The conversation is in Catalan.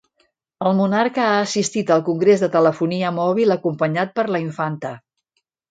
El monarca ha assistit al congrés de telefonia mòbil acompanyat per la Infanta